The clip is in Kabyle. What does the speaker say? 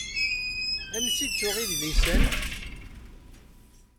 Ansi d-tuɣ idlisen?